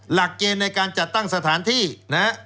หลักเกณฑ์ในการจัดตั้งสถานที่นะฮะ